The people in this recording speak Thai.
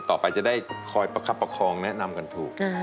ต่อไปจะได้คอยประคับประคองแนะนำกันถูก